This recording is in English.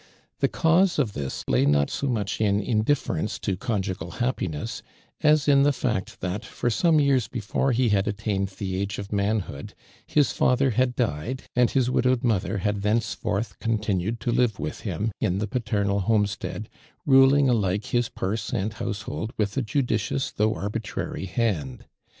The cause of this lay not so much in indiflerence to conjugal happiness as in the fact that, for some years oefore he had attained the age of manhood, his father had died, and his widowed mother had thenceforth con tinued to live with him in the paternal homestead, ruling alike his purse and house hold with a judicious though arbitrary hand.